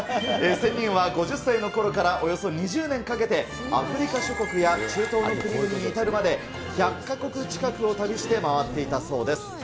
仙人は５０歳のころからおよそ２０年かけて、アフリカ諸国や中東の国々に至るまで、１００か国近くを旅して回っていたそうです。